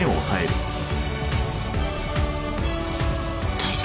大丈夫？